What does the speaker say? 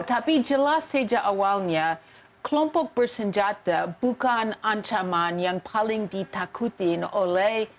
tapi jelas sejak awalnya kelompok bersenjata bukan ancaman yang paling ditakutin oleh